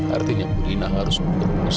artinya budina harus berusaha dengan yang berlanjut